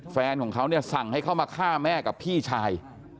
แฟนของเขาเนี่ยสั่งให้เขามาฆ่าแม่กับพี่ชาย